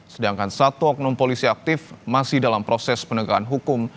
sedangkan satu oknum polisi aktif masih dalam proses penegakan hukum